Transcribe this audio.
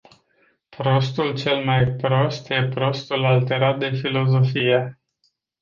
Prostul cel mai prost e prostul alterat de filosofie.